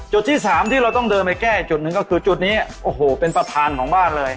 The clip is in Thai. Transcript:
ที่สามที่เราต้องเดินไปแก้อีกจุดหนึ่งก็คือจุดนี้โอ้โหเป็นประธานของบ้านเลย